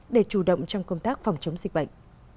để chủ động trong công tác phòng chống dịch bệnh